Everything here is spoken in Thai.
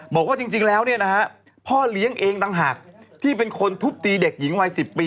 บอกว่าจริงแล้วเนี่ยนะฮะพ่อเลี้ยงเองต่างหากที่เป็นคนทุบตีเด็กหญิงวัย๑๐ปี